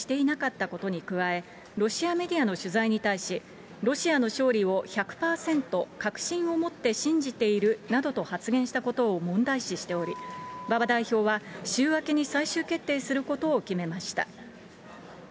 党への届け出をしていなかったことに加え、ロシアメディアの取材に対し、ロシアの勝利を１００％確信を持って信じているなどと発言したことを問題視しており、馬場代表は、週明けに最終決定することを決めました。